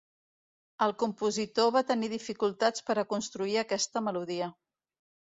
El compositor va tenir dificultats per a construir aquesta melodia.